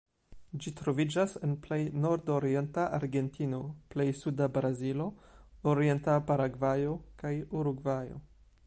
Ĝi troviĝas en plej nordorienta Argentino, plej suda Brazilo, orienta Paragvajo kaj Urugvajo.